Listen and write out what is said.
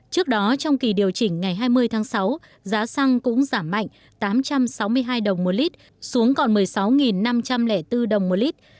trước đó trong kỳ điều chỉnh ngày hai mươi tháng sáu giá xăng cũng giảm mạnh tám trăm sáu mươi hai đồng một lít xuống còn một mươi sáu năm trăm linh bốn đồng một lít